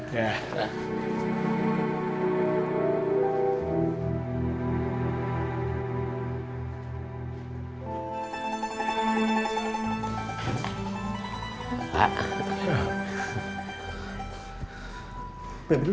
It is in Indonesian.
kamu numbers mak